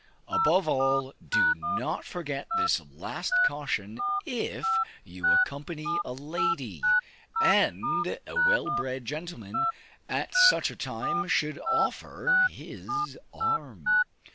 Above all, do not forget this last caution if you accompany a lady; and a well bred gentleman, at such a time, should offer his arm.